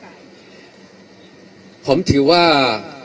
จากที่เรารู้ไกลผมถือว่า